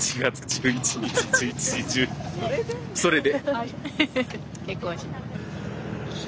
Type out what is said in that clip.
それで。